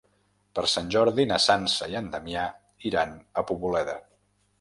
Per Sant Jordi na Sança i en Damià iran a Poboleda.